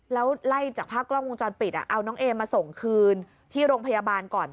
แล้วไล่จากภาพกล้องวงจรปิดเอาน้องเอมาส่งคืนที่โรงพยาบาลก่อน